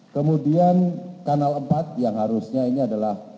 kemudian kanal empat yang harusnya ini adalah